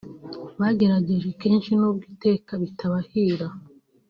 bagerageje kenshi nubwo iteka bitabahira